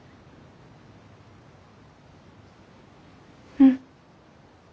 うん。